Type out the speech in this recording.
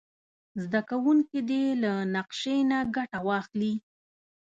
زده کوونکي دې له نقشې نه ګټه واخلي.